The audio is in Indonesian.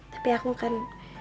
tapi aku kan